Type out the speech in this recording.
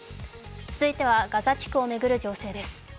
続いてはガザ地区を巡る情勢です。